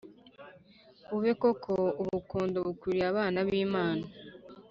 bube koko ubukonde bukwiriye abana b’Imana.